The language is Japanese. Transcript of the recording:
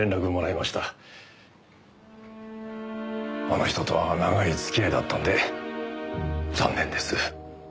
あの人とは長い付き合いだったんで残念です。